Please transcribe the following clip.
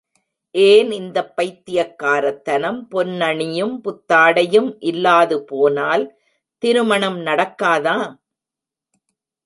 ஏன் இந்தப் பைத்தியக் காரத்தனம் பொன்னணியும் புத்தாடையும் இல்லாது போனால் திருமணம் நடக்காதா?